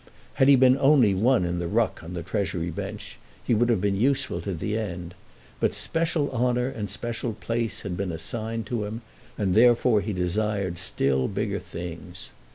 Had he been only one in the ruck on the Treasury Bench he would have been useful to the end; but special honour and special place had been assigned to him, and therefore he desired still bigger things.